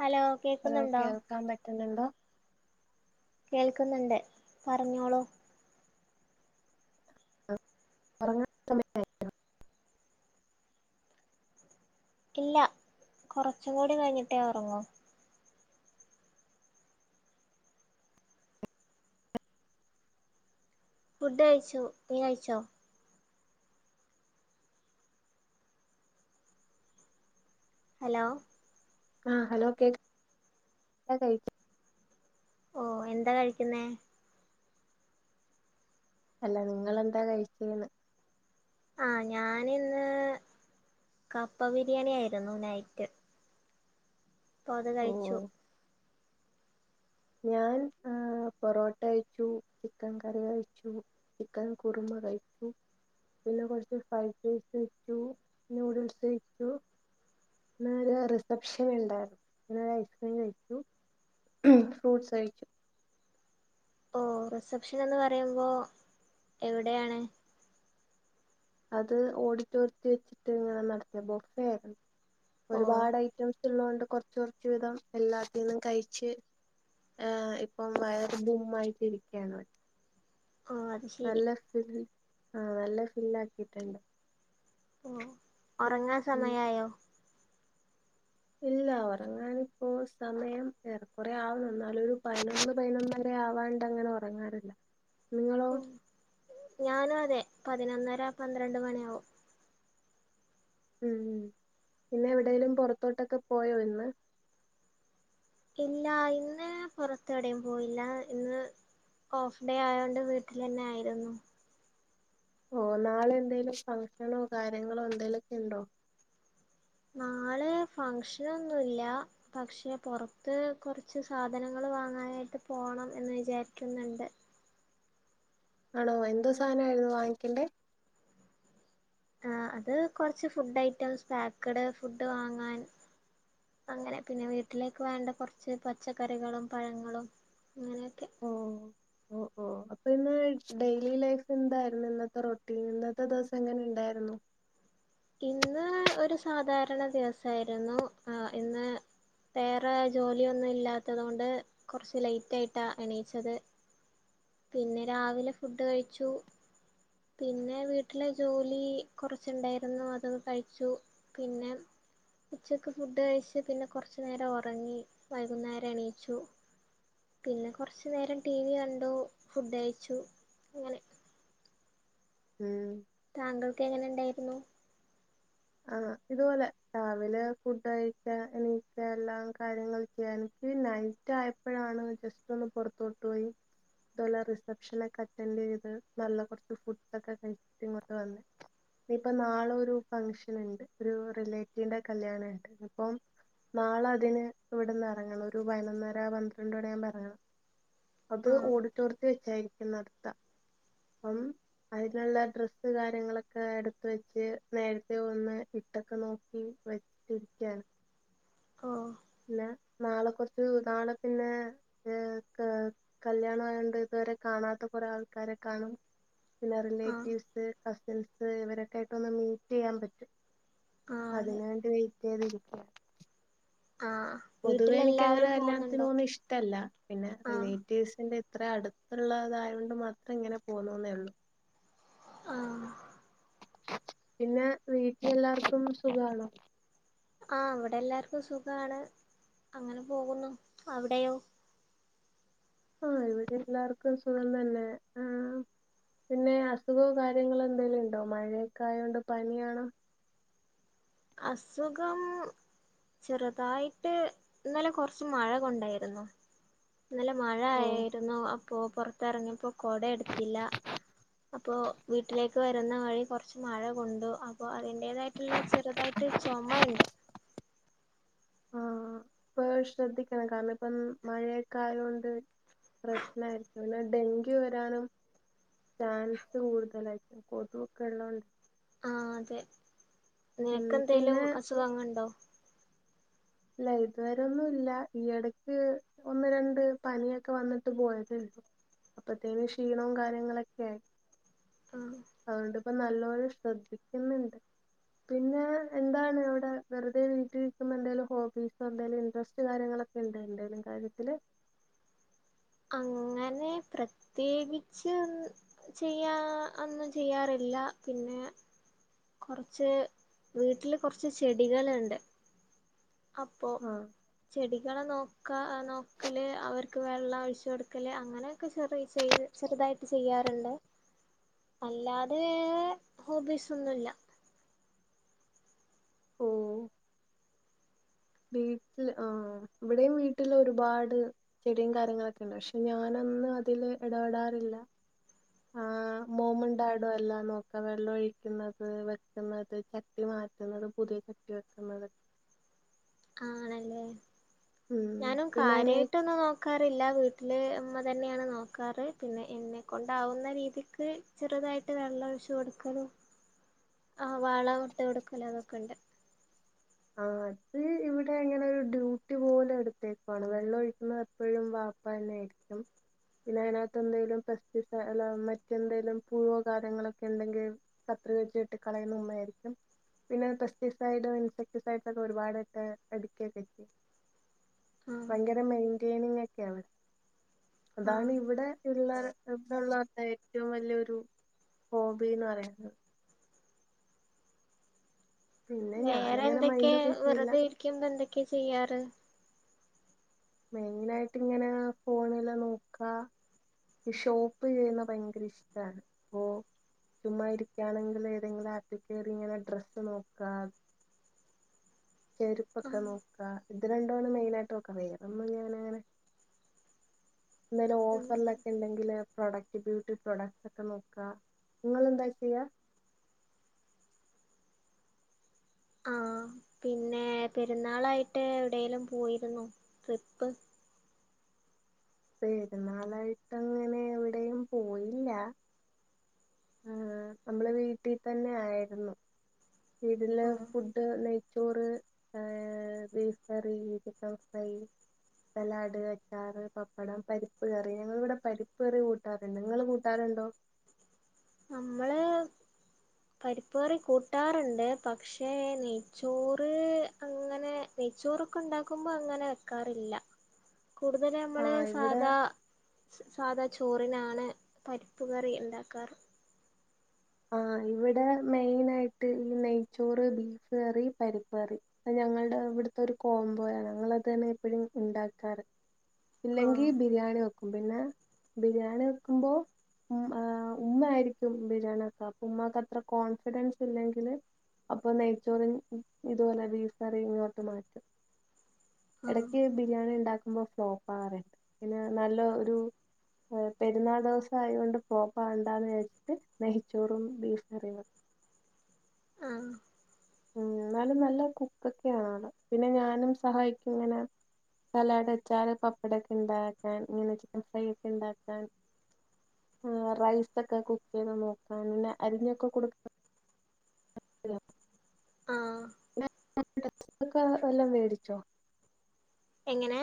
Hello hello കേക്കുന്നുണ്ടോ കേൾക്കാൻ പറ്റുന്നുണ്ടോ കേൾക്കുന്നുണ്ട് പറഞ്ഞോളൂ ഉറങ്ങാൻ സമയായോ? ഇല്ല കൊറച്ചും കൂടി കഴിഞ്ഞിട്ടേ ഒറങ്ങൂ ഫുഡ് കഴിച്ചു നീ കഴിച്ചോ? ഹലോ ഹലോ കേക്ക് [unintelligible] ഓഹ് എന്താ കഴിക്കുന്നേ? അല്ല നിങ്ങളെന്താ കഴിച്ചേന്ന്? ആ ഞാനിന്ന് കപ്പ ബിരിയാണി ആയിരുന്നു നൈറ്റ് അപ്പോ അത് ഓ കഴിച്ചു ഞാൻ ആ ടാ പൊറോട്ട കഴിച്ചു ചിക്കൻ കറി കഴിച്ചു ചിക്കൻ കുറുമ കഴിച്ചു പിന്നെ കുറച്ച് ഫ്രൈഡ്റൈസ് കഴിച്ചു നൂഡൽസ് കഴിച്ചു ഇന്ന് ഒരു റിസപ്ഷൻ ഇണ്ടായിരുന്നു ഒരു ഐസ്ക്രീം കഴിച്ചു ഫ്രൂട്ട്സ് കഴിച്ചു ഓ റിസപ്ഷൻ എന്ന് പറയുമ്പോ എവിടെയാണ്? അത് ഓഡിറ്റോറിയത്തി വെച്ചിട്ട് ഇങ്ങനെ നടത്ത ബൊഫേ ആയിരുന്നു ഓ ഒരുപാട് ഐറ്റംസ് സുള്ളത് കൊണ്ട് കൊറച്ച് കൊറച്ച് വീതം എല്ലാത്തീന്നും കഴിച്ച് ആ ഇപ്പം വയർ ബും ആയിട്ടിരിക്കയാണ് ആഹ് നല്ല ഫിൽ ആഹ് നല്ല ഫില്ല് ആക്കിയിട്ടുണ്ട് ഓ ഒറങ്ങാൻ സമയായോ? ഇല്ല ഉറങ്ങാൻ ഇപ്പോ സമയം ഏറെക്കുറെ ആവുന്നു എന്നാലും ഒരു പതിനൊന്ന് പതിനൊന്ന ന്നര ആവാണ്ടങ്ങനെ ഉറങ്ങാറില്ല നിങ്ങളോ? ഞാനും അതെ പതിനൊന്നര പന്ത്രണ്ട് മണിയാവും ഉം ഉം പിന്നെ എവിടെലും പുറത്തോട്ടൊക്കെ പോയോ ഇന്ന് ഇല്ല ഇന്ന് പുറത്ത് എവിടെയും പോയില്ല ഇന്ന് ഓഫ് ഡേ ആയോണ്ട് വീട്ടിലന്നെ ആയിരുന്നു ഓ നാളെന്തേലും ഫംഗഷനോ കാര്യങ്ങളോ എന്തേലുക്കെ ഇണ്ടോ? നാളെ ഫങ്ങ്ഷനൊന്നുംല്ല പക്ഷെ പുറത്ത് കുറച്ച് സാധനങ്ങൾ വാങ്ങാനായിട്ട് പോണം എന്ന് വിചാരിക്കുന്നുണ്ട് ആണോ എന്ത്‌ സാധനയിരുന്നു വാങ്ങിക്കണ്ടേ? ആ അത് കുറച്ച് ഫുഡ് ഐറ്റംസ് പക്ക്ഡ് ഫുഡ് വാങ്ങാൻ അങ്ങനെ പിന്നെ വീട്ടിലേക്ക് വേണ്ട കുറച്ച് പച്ചക്കറികളും പഴങ്ങളും അങ്ങനെയൊക്കെ ഓ ഓ ഓ ഓ അപ്പൊ ഇന്ന് ഡെയിലി ലൈഫ് അപ്പോ ഇന്ന് ഡെയിലി ലൈഫ് എന്തായിരുന്നു ഇന്നത്തെ റൊട്ടീൻ ഇന്നത്തെ ദിവസം എങ്ങനെ ഉണ്ടായിരുന്നു? ഇന്ന് ഒരു സാധാരണ ദിവസായിരുന്നു ആ ഇന്ന് വേറെ ജോലിയൊന്നും ഇല്ലാത്തതു കൊണ്ട് കുറച്ച് ലേറ്റ് ആയിട്ടാ എണീച്ചത് പിന്നെ രാവിലെ ഫുഡ് കഴിച്ചു പിന്നെ വീട്ടിലെ ജോലി കുറച്ചുണ്ടായി രുന്നു പിന്നെ അതൊക്കെ കഴിച്ചു പിന്നെ ഉച്ചക്ക് ഫുഡ് കഴിച്ച് പിന്നെ കുറച്ച് നേരം ഉറങ്ങി വൈകുന്നേരം എണീച്ചു പിന്നെ കൊർച്ച് നേരം ടി വി കണ്ടു ഫുഡ് കയിച്ചു അങ്ങനെ ഉം താങ്കൾക്ക് എങ്ങനെ ഇണ്ടായിര്ന്നു ആ ഇതുപോലെ രാവിലെ ഫുഡായിട്ട് എണീക്ക എല്ലാം കാര്യങ്ങൾ ചെയ്യാ എൻക്ക് നൈ റ്റായപ്പഴാണ് ജസ്റ്റ് ഒന്ന് പൊർത്തോട്ട് പോയി ഇതുപോലെ റിസെപ്ഷൻ ഒക്കെ അറ്റൻഡ് ചെയ്ത് നല്ല കൊർച്ച് ഫുഡക്കെ കഴിച്ചിട്ട് ഇങ്ങോട്ട് വന്നേ ഇനി ഇപ്പൊ നാള ഒരു ഫംഗ്ഷന് ഇണ്ട് ഒരു റിലേറ്റീവിന്റെ കല്യാണണ്ട് ഇപ്പം നാളെ അതിന് ഇവട്ന്ന് എറങ്ങണം ഒരു പയിനൊന്നര പന്ത്രണ്ട് മണിയാവുമ്പ എറങ്ങണം അത് ആ ഓഡിറ്റോറിയത്തി വെച്ചായിരിക്കും നട ക്ക അപ്പം അയിന്ള്ള ഡ്രസ്സ് കാര്യങ്ങളൊക്കെ എടുത്ത് വെച്ച് നേര് ത്തെ ഒന്ന് ഇട്ടക്ക നോക്കി വെച്ചിരിക്ക്യാണ് ഓ പിന്നെ നാളെ കൊർച്ച് നാളെ പിന്നെ ഏ കല്യാണ ആയോണ്ട് ഇതുവരെ കാണാത്ത കോറെ ആൾക്കാരെ കാണും പിന്നെ ആ റിലേറ്റീവ്സ് കസിൻസ് ഇവരൊക്കെ ആയിട്ട് ഒന്ന് മീറ്റെയ്യാം പറ്റും ആ അതെ അതിന് വേണ്ടി വെയിറ്റയ്തിരിക്ക ആഹ് പൊതുവേ എനിക്ക് അങ്ങനെ കല്യാൺത്തിന് പോന്നേ ഇഷ്ടല്ല പിന്നെ ആ റിലേ റ്റീവ്സിന്റെ ഇത്ര അട്ത്ത്ള്ളതായോണ്ട് മാത്രേ ഇങ്ങനെ പോന്നുന്നോള്ളൂ ആഹ് പിന്നെ വീട്ടിലെ എല്ലാർക്കും സുഖാണോ ആ ഇവടെ എല്ലാര്ക്കും സുഖാണ് അങ്ങനെ പോകുന്നു അവ്ടെയോ ആ ഇവടെ എല്ലാർക്കും സുഖം തന്നെ ആഹ് പിന്നെ അസുഖോ കാര്യങ്ങളോ എന്തെലു ഉണ്ടോ മഴയൊക്കെ ആയൊണ്ട് പനിയാണോ അസുഖം ചെറ്തായിട്ട് ഇന്നലെ കൊർച്ച് മഴ കൊണ്ടായിരുന്നു ഇന്നലെ മഴ ഓ ആയിരുന്നു അപ്പൊ പോർത്തർങ്ങിയപ്പോ കൊട എട്ത്തില്ല അപ്പോ വീട്ടിലേക്ക് വരുന്ന വഴി കൊർച്ച് മഴ കൊണ്ടു അപ്പോ അതി എതായിട്ട്ള്ള ചെറ്തായിട്ട് ചോമ ഇണ്ട് ആഹ് ഇപ്പ ശ്രദ്ധിക്കണം കാര്ണം ഇപ്പം മഴയെക്ക ആയോണ്ട് പ്രശ്നായിരിക്കും പിന്നെ ഡെങ്കി വരാനും ചാൻസ് കൂടുതലായിരിക്കും കൊതു ഒക്ക ഇള്ളോണ്ട് ആ അതെ ഉം നിനക്കന്തെലും പിന്നെ അസുഖങ്ങണ്ടോ ഇല്ല ഇതുവരെ ഒന്നു ഇല്ല ഈ എടക്ക് ഒന്ന് രണ്ട് പനിയൊക്ക വന്നിട്ട് പോയതേള്ളൂ അപ്പത്തേനും ക്ഷീണും കാര്യങ്ങളൊക്കെ ആയി ആഹ് അതു കൊണ്ട് ഇപ്പം നല്ലപോലെ ശ്രദ്ധിക്ക്ന്ന്ണ്ട് പിന്നെ എന്താണ് അവടെ വെറ്തെ വീട്ടിലിരിക്കുമ്പ എന്തേലും ഹോബീസോ എന്തെലും ഇൻട്രസ്റ്റ് കാര്യങ്ങളൊക്കെ ഇണ്ടോ എന്തേലും കാര്യത്തില് അങ്ങനെ പ്രത്യേകിച്ച് ചെയ്യാ ഒന്നും ചെയ്യാറില്ല പിന്നെ കൊർച്ച് വീട്ടില് കൊർച്ച് ചെടികള്ണ്ട് അപ്പോ ആഹ് ചെടി കളെ നോക്കാ ആ നോക്കല് അവര്ക്ക് വെള്ളഴിച്ചു കൊടുക്കല് അങ്ങനെക്കെ ചെറിയ ചെയ് ചെറ്തായിട്ട് ചെയ്യാറ്ണ്ട് അല്ലാതെ ഹോബീസ് ഒന്നുയില്ല ഓഹ് വീട്ടില് ആഹ് ഇവിടെയും വീട്ടില് ഒരുപാട് - ചെടിയും കാര്യങ്ങളൊക്കെ ഒണ്ട് പക്ഷെ ഞാനൊന്നും അതില് ഇടപെടാറില്ല ആ മോമും ഡാഡുവാ എല്ലാം നോക്ക്‌വ വെള്ളഴിക്കുന്നത് വെക്കുന്നത് ചട്ടി മാറ്റുന്നത് പുതിയ ചട്ടി വെക്കുന്നുന്നത് ആണല്ലേ ഉം ഞാനും പിന്നെ അയിന് കാര്യമായിട്ടൊന്നും നോക്ക- നോക്കാറില്ല വീട്ടില് ഉമ്മ തന്നെയാണ് നോക്കാറ് പിന്നെ എന്നെക്കൊണ്ടാവുന്ന രീതിക്ക് - ചെറുതായിട്ട് വെള്ളൊഴിച്ച് കൊടുക്കലും - ആ വളം ഇട്ട് കൊടുക്കല് അതൊക്കെ ഉണ്ട് ആഹ് അത് ഇവിടെ ഇങ്ങനെ ഒരു ഡ്യൂട്ടി പോലെ എടുത്തേക്കുവാണ് വെള്ളം ഒഴിക്കുന്ന- എപ്പോഴും വാപ്പ തന്നെയിരിക്കും പിന്നെ അതിനകത്ത് എന്തേലും- ലോ മറ്റെന്തേലും പുഴോ കാര്യങ്ങളൊക്കെ- ണ്ടെങ്കി കത്രിക വെച്ച്ട്ട് കളയുന്ന ഉമ്മായിരിക്കും പിന്നെ പെസ്റ്റിസൈഡും ഇൻസെക്ട്- ലൂസ് ആയിട്ട് ഒരുപാട് ഒക്കെ ഒരുപാട് എടയ്ക്കെക്കെ ചെയ്യും ആഹ് ഭയങ്കര മെയ്ന്റേനിങ്ങ്ക്കേയാണ് ഇവിടെ അതാണ് ആഹ് ഇവിടെ ഇള്ള [unintelligible] ഏറ്റവും വല്ലിയ ഒരു - ഹോബീന്ന് പറയാം പിന്നെ വേറെ ഞാനങ്ങനെ എന്തെക്കെയാ മൈൻഡൊന്നും ചെയ്യില്ല വെറുതെ ഇരിക്കുമ്പോ എന്തൊക്കെയാ ചെയ്യാറ് മെയിനായ്ട്ട് ഇങ്ങനെ ഫോണില് നോക്കാ ഈ ഷോപ്പ് ചെയ്യുന്ന ഭയങ്കര ഇഷ്ടാണ് അപ്പൊ- ചുമ്മാ ഇരിക്കാണെങ്കില് ഏതെങ്കിലും ആപ്പ് കേറി ഇങ്ങനെ ഡ്രസ്സ് നോക്കാ ചെരുപ്പൊക്കെ ആഹ് നോക്കാ ഇത് രരണ്ടും ആണ് മെയിനായ്ട്ട് നോക്കാ [unintelligible] എന്തേലും ഉം ഓഫറിലൊക്കെ ഇണ്ടെങ്കില് പ്രോഡക്റ്റ് ബ്യൂട്ടി പ്രോഡക്ട്സ് ഒക്കെ നോക്കാ ഇങ്ങളെന്താ ചെയ്യാ ആഹ് പിന്നെ പെരുന്നാളായിട്ട് എവിടേലും പോയിര്ന്നോ ട്രിപ്പ് പെരുന്നാളായിട്ട് അങ്ങനെ എവിടേയും പോയില്ല ആഹ് നമ്മള് വീട്ടി തന്നെ ആയിരുന്നു ഇതില് ആഹ് ഫുഡ് നെയ്ച്ചോറ് ഏഹ് beef curry chicken fry salad അച്ചാറ് പപ്പടം പ്പടം പരിപ്പ് കയറി ഞങ്ങള് ഇവിടെ പരിപ്പ് കറി കൂട്ടാറ് ഇണ്ട് ഇങ്ങള് കൂട്ടാറുണ്ടോ നമ്മള്- പരിപ്പ്കറി കൂട്ടാറുണ്ട് പക്ഷേ നെയ്ച്ചോറ് അങ്ങനെ- നെയ്യ് ചോറ് ഒക്കെ ഇണ്ടാക്കുമ്പോ അങ്ങനെ വെക്കാറില്ല കൂട്തല് ആ നമ്മള് ഇവിടെ സാധാ- സാധാ ചോറിനാണ് പരിപ്പ്കറി ഇണ്ടാക്കാറ് ആഹ് ഇവടെ മെയ്നായിട്ട് ഈ നെയ്ച്ചോറ് ബീഫ് കറി പരിപ്പ് കറി ഇപ്പൊ ഞങ്ങൾടെ ഇവിട്ത്തെ ഒരു കോംബോയാണ് ഞങ്ങള് ഇത് തന്നെയാണ് എപ്പഴും ഇണ്ടാക്കാറ് ഇല്ലെങ്കി ആഹ് ബിരിയാണി വെയ്ക്കും ക്കും പിന്നെ ബിരിയാണി വെക്കുമ്പോ ഉം ഉമ്മ ആയിരിക്കും ബിരിയാണി- വെക്കാ ഉമ്മാക്ക് അത്ര കോൺഫിഡൻസ് ഇല്ലെങ്കില്- അപ്പൊ നെയ്ച്ചോറിന്ന് ഇതുപോലെ ബീഫ്കറി ഇങ്ങോട്ട് മാറ്റും ആഹ് എടക്ക് ബിരിയാണി ഇണ്ടാക്കുമ്പോ ഫ്ലോപ്പാവാറ്ണ്ട് പിന്നെ നല്ല ഒരു പെരുന്നാൾ ദിവസായോണ്ട് ഫ്ലേപ്പാവണ്ടാന്ന് വിചാര്ച്ച്ട്ട് നെ നെയ്ചോറും ബീഫ്കറിയ ആഹ് ഉം എന്നാലും നല്ല കുക്കൊക്കെആള് പിന്നെ ഞാനും സഹായിക്കും ഇങ്ങനെ സലാഡ് അച്ചാറ് പപ്പടൊക്കെ ഇണ്ടാക്കാൻ ഇങ്ങനെ ചിക്കൻ ഫ്രൈ ഒക്കെ ഇണ്ടാക്കാൻ റൈസൊക്കെ കുക്കെയ്ത് നോക്കാൻ പിന്നെ അരിഞ്ഞൊക്കെ കൊട് ആഹ് [unintelligible] വെല്ലോം വേടിച്ചോ എങ്ങനെ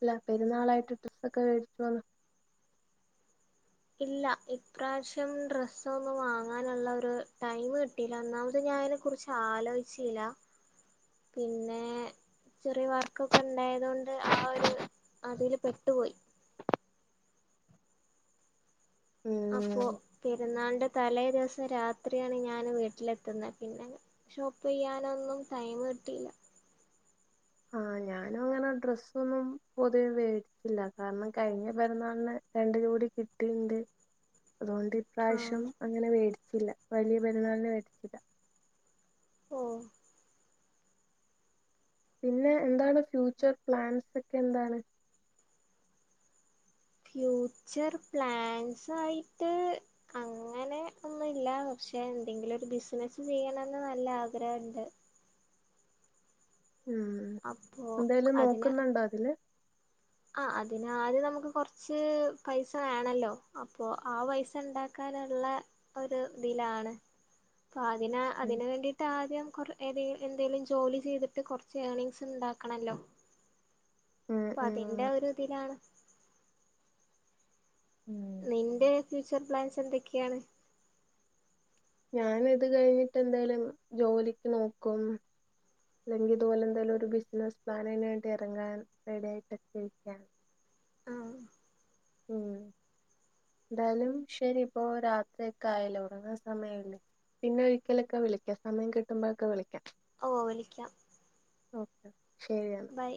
അല്ല പെരുന്നാളായിട്ട് ഡെസ്സൊക്കെ വേട്ച്ചോന്ന് ഇല്ല ഇപ്രാവശ്യം ഡ്രെസ്സൊന്നും വാങ്ങാന്ള്ള ഒരു ടൈമ് കിട്ടീല ഒന്നാമത് ഞാൻ ഐനെ കുർച്ച് ആലോയ്ച്ചീല പിന്നെ ചെറിയ വർക്കൊക്കെ ഇണ്ടായതോണ്ട് ആ ഒര് അതീല് പെട്ടുപോയി അപ്പോ ഉം പെരുന്നാൾൻ്റെ തലേ ദിവസം രാത്രിയാണ് ഞാന് വീട്ട്ലെത്ത്ന്നെ പിന്നെ ഷോപ്പ് ചെയ്യാനൊന്നും ടൈം കിട്ടിയില്ല ആഹ് ഞാനും അങ്ങനെ ഡ്രെസ്സ് ഒന്നും പൊതുവേ മേടിച്ചില്ല കാരണം കഴിഞ്ഞ പെരുന്നാളിന് രണ്ട് ജോടി കിട്ടിണ്ട് അതുകൊണ്ട് ആഹ് ഇപ്രാവശ്യം അങ്ങനെ മേടിച്ചില്ല വലിയ പെരുന്നാളിനെ മേടിച്ചില്ല ഓ പിന്നെ എന്താണ് ഫ്യൂച്ചർ പ്ലാൻസ് ഒക്കെ എന്താണ് ഫ്യൂച്ചർ പ്ലാൻസ് ആയിട്ട് അങ്ങനെ ഒന്നുല്ല പക്ഷെ എന്തെങ്കിലും ഒരു ബിസിനസ്സ് ചെയ്യണന്ന് നല്ല ആഗ്രഹുണ്ട് ഉം മ്മ് അപ്പോ എന്തേലും അതിന് നോക്കുന്നുണ്ടോ അതില് ആഹ് അതിന് ആദ്യം നമുക്ക് കൊറച്ച് പൈസ വേണല്ലോ അപ്പൊ ആ പൈസ ഉണ്ടാ ക്കാനുള്ള ഒരുതിലാണ് അപ്പ അതിന ഉം അതിന് വേണ്ടി ട്ട ആദ്യം കുറെ ഏതെ എന്തെങ്കലും ജോലി ചെയ്തിട്ട് കുറച്ച് ഏർണിങ്സ് ഉണ്ടാക്കണല്ലോ ഉം ഉമ് തിന്റെ ഒരു ഇതിലാണ് ഉം നിന്റെ ഫ്യൂച്ചർ പ്ലാൻസ് എന്തൊക്കെയാണ് ഞാൻ ഇത് കഴിഞ്ഞിട്ട് എന്തേലും ജോലിക്ക് നോക്കും അല്ലെങ്കിൽ ഇതുപോലെ എന്തെങ്കിലും ഒരു ബിസിനസ് പ്ലൻ അതിന് വേണ്ടി ഇറങ്ങാൻ റെഡിയായിട്ടൊക്കെ ഇരിക്കാണ് ആഹ് ഉം എന്തായാലും ശെരി ഇപ്പോ രാത്രി ഒക്കെ ആയലോ ഉറങ്ങാൻ സമയായല്ലോ പിന്നെ ഒരിക്കലൊക്കെ വിളിക്കാം സമയം കിട്ടുമ്പോഴൊക്കെ വിളിക്കാം ഓ വിളിക്കാം ഓക്കെ ശെരിയന്നാ ബൈ